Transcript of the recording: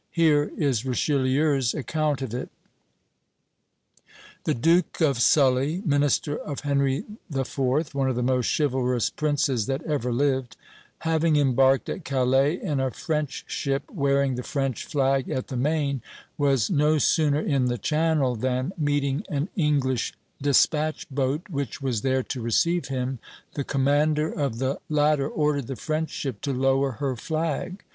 Here is Richelieu's account of it: "The Duke of Sully, minister of Henry IV. [one of the most chivalrous princes that ever lived], having embarked at Calais in a French ship wearing the French flag at the main, was no sooner in the Channel than, meeting an English despatch boat which was there to receive him, the commander of the latter ordered the French ship to lower her flag.